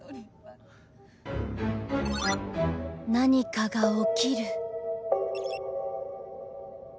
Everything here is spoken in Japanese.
何かが起きる